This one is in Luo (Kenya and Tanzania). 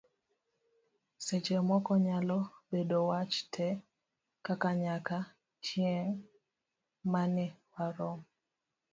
seche moko nyalo bedo wach te, kaka; nyaka chieng' mane warom